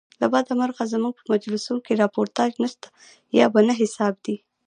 له بده مرغه زموږ په مجلوکښي راپورتاژ نسته یا په نه حساب دئ.